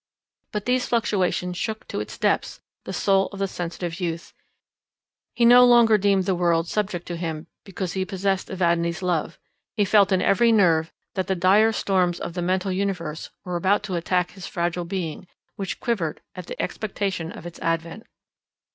But these fluctuations shook to its depths the soul of the sensitive youth; he no longer deemed the world subject to him, because he possessed Evadne's love; he felt in every nerve that the dire storms of the mental universe were about to attack his fragile being, which quivered at the expectation of its advent.